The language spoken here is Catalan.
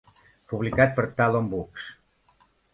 Publicat per TalonBooks.